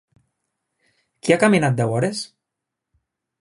Qui ha caminat deu hores?